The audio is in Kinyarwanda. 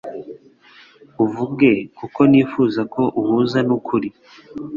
uvuge kuko nifuza ko uhuza n'ukuri